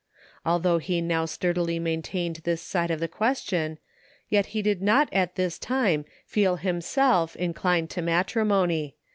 Although he now sturdily maintained this side of the question, yet he did not at this time feel himself inclined to matrimony.